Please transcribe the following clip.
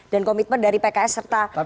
dan komitmen dari pks serta